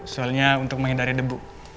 soalnya untuk menghindari debu